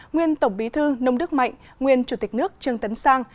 nguyên tổng bí thư nông đức mạnh nguyên chủ tịch nước trương tấn sang